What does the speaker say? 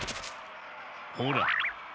ほら。